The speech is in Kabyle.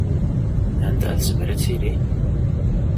Anda i tezmer ad tili?